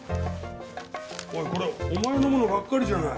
おいこれお前のものばっかりじゃない！